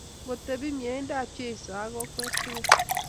Ngotebi miendap Jeso akikwek tukul